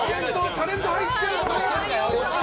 タレント入っちゃうか。